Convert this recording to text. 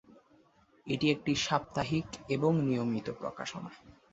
এটি একটি সাপ্তাহিক এবং নিয়মিত প্রকাশনা।